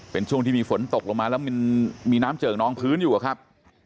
เป็นช่วงที่มีฝนตกลงมาแล้วมันมีน้ำเจิกนองพื้นอยู่อะครับ